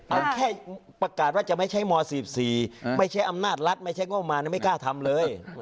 เอาแค่ประกาศว่าจะไม่ใช้ม๔๔ไม่ใช้อำนาจรัฐไม่ใช้งบมารไม่กล้าทำเลย